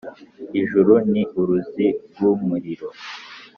ijuru ni uruzi rw'umuriro,